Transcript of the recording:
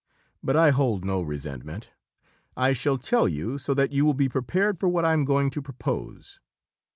But I hold no resentment. I shall tell you, so that you will be prepared for what I am going to propose."